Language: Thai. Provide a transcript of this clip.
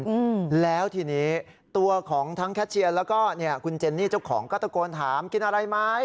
อืมแล้วทีนี้ตัวของทั้งแคชเชียร์แล้วก็เนี้ยคุณเจนนี่เจ้าของก็ตะโกนถามกินอะไรไหม